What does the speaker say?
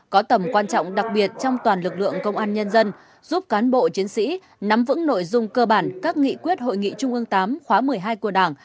có tầm quan trọng đặc biệt trong toàn lực lượng công an nhân dân giúp cán bộ chiến sĩ nắm vững nội dung cơ bản các nghị quyết hội nghị trung ương viii khóa một mươi hai của đảng